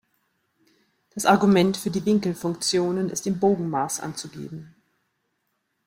Das Argument für die Winkelfunktionen ist im Bogenmaß anzugeben.